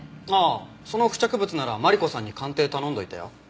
ああその付着物ならマリコさんに鑑定頼んどいたよ。